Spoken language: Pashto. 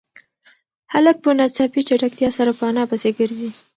هلک په ناڅاپي چټکتیا سره په انا پسې گرځي.